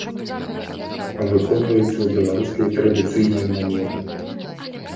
Выконваюцца ў беларускай традыцыйнай манеры.